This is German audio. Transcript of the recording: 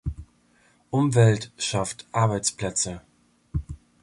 Umwelt schafft Arbeitsplätze!